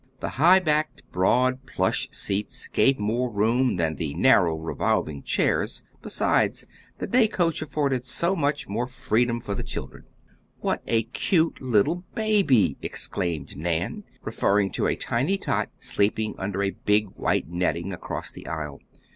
The high back, broad plush seats gave more room than the narrow, revolving chairs, besides, the day coach afforded so much more freedom for children. "What a cute little baby!" exclaimed Nan, referring to a tiny tot sleeping under a big white netting, across the aisle.